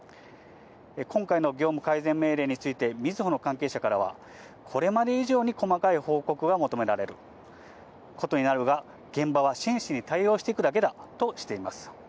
今回の業務改善命令について、みずほの関係者からは、これまで以上に細かい報告が求められることになるが、現場は真摯に対応していくだけだとしています。